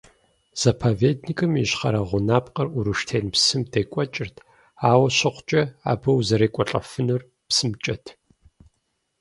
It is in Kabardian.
Заповедникым и ищхъэрэ гъунапкъэр Уруштен псым декӀуэкӀырт, ауэ щыхъукӀэ абы узэрекӀуэлӀэфынур псымкӀэт.